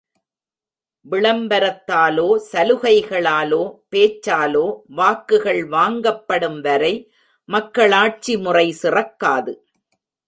விளம்பரத்தாலோ, சலுகைகளாலோ பேச்சாலோ வாக்குகள் வாங்கப்படும் வரை மக்களாட்சி முறை சிறக்காது.